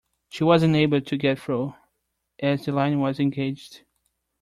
She wasn’t able to get through, as the line was engaged